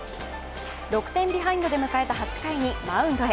６点ビハインドで迎えた８回にマウンドへ。